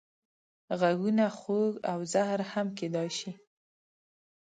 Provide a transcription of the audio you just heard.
غږونه خوږ او زهر هم کېدای شي